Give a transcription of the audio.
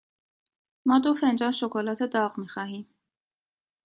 ما دو فنجان شکلات داغ می خواهیم.